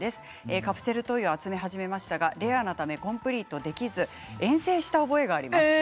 カプセルトイを集め始めましたがレアなためコンプリートできず遠征した覚えがあります。